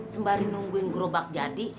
sembari nungguin grobak jadi